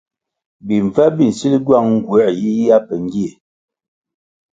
Bimbvep bi nsil gywang nğuer yiyia be ngie.